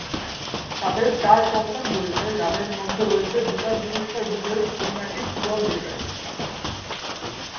তাদের চার সন্তান রয়েছে, যাদের মধ্যে রয়েছে বুকার পুরস্কার বিজয়ী উপন্যাসিক কিরণ দেশাই।